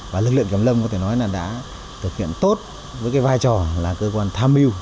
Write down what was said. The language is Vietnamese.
và lực lượng kiểm lâm có thể nói là đã thực hiện tốt với cái vai trò là cơ quan tham mưu